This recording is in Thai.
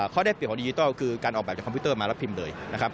ข้อได้เปรียบของดิจิทัลคือการออกแบบจากคอมพิวเตอร์มาแล้วพิมพ์เลยนะครับ